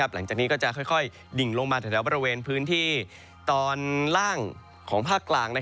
หลังจากนี้ก็จะค่อยดิ่งลงมาแถวบริเวณพื้นที่ตอนล่างของภาคกลาง